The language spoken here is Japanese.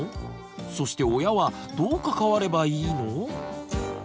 そして親はどう関わればいいの？